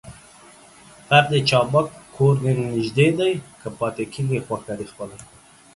خر دي چابک کور دي نژدې دى ، که پاته کېږې خوښه دي خپله.